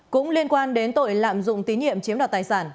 cũng liên quan đến tội lạm dụng tín nhiệm chiếm đoạt tài sản